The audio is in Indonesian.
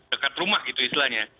dekat rumah itu istilahnya